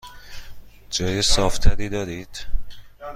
جای صاف تری دارید؟